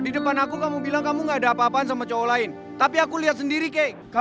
itu ngomong gak pernah mikir apa ya